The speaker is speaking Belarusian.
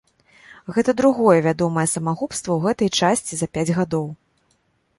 Гэта другое вядомае самагубства ў гэтай часці за пяць гадоў.